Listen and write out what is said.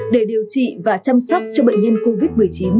để điều trị và chăm sóc cho bệnh nhân covid một mươi chín